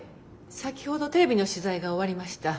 先ほどテレビの取材が終わりました。